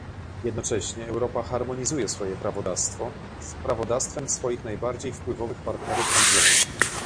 Jednocześnie Europa harmonizuje swoje prawodawstwo z prawodawstwem swoich najbardziej wpływowych partnerów handlowych